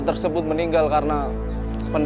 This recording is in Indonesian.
bisa tamam dia kaya mati